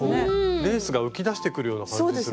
レースが浮き出してくるような感じするんですね。